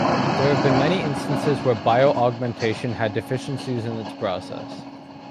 There have been many instances where bioaugmentation had deficiencies in its process.